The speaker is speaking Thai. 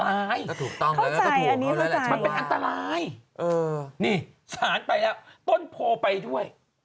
มันเป็นอันตรายนี่สารไปแล้วต้นโพไปด้วย